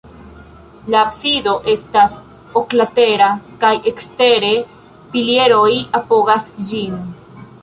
La absido estas oklatera kaj ekstere pilieroj apogas ĝin.